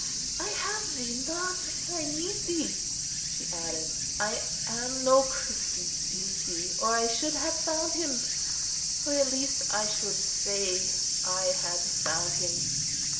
I have Thee not, and I need Thee." She added, "I am no Christian, you see, or I should have found Him; or at least I should say I had found Him."